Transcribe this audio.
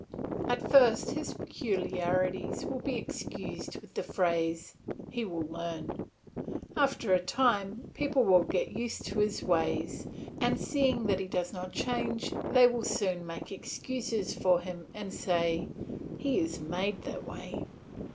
At first his peculiarities will be excused with the phrase, "He will learn." After a time people will get used to his ways, and seeing that he does not change they will still make excuses for him and say, "He is made that way."